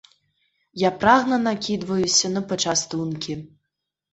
Я прагна накідваюся на пачастункі.